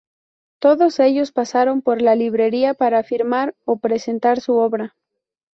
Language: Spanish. Todos ellos pasaron por la librería para firmar o presentar su obra.